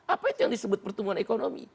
apa yang disebut pertumbuhan ekonomi